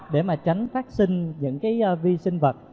để mà tránh phát sinh những cái vi sinh vật